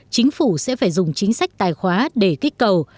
chính phủ sẽ phải dùng chính sách tài khoá để kích cầu